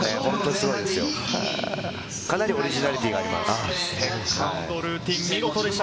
かなりオリジナリティーがあります。